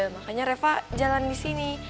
makanya reva jalan di sini